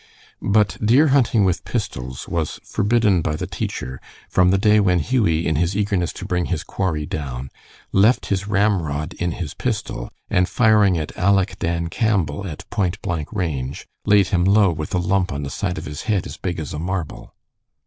But deer hunting with pistols was forbidden by the teacher from the day when Hughie, in his eagerness to bring his quarry down, left his ramrod in his pistol, and firing at Aleck Dan Campbell at point blank range, laid him low with a lump on the side of his head as big as a marble.